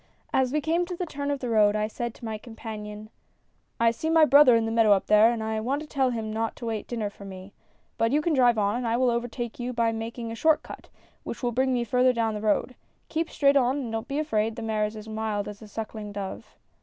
As we came to the turn of the road I said to my compan ion :"' I see my brother in the meadow, up there, and I want to tell him not to wait dinner for me. But you can drive on, and I will overtake you by making a short cut, which will bring me out further down the road. Keep straight on and don't be afraid, the mare is as mild as a sucking dove.